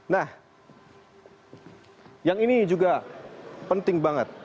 nah yang ini juga penting banget